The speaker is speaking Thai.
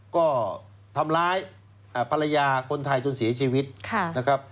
ก็ทำร้ายภรรยาคนไทยจนเสียชีวิตนะครับ